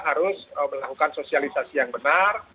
harus melakukan sosialisasi yang benar